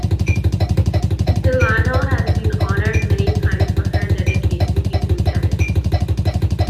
Delano has been honored many times for her dedication to humanity.